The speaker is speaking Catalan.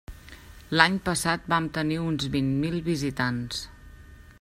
L'any passat vam tenir uns vint mil visitants.